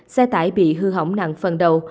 xe tải bị hư hỏng nặng phần đầu